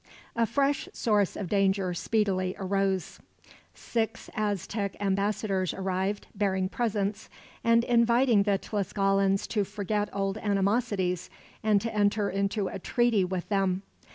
A fresh source of danger speedily arose. Six Aztec ambassadors arrived, bearing presents, and inviting the Tlascalans to forget old animosities, and to enter into a treaty with them.